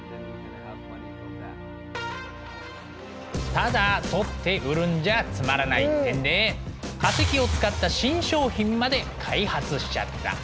ただ採って売るんじゃつまらないってんで化石を使った新商品まで開発しちゃった。